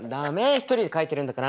一人で描いてるんだから。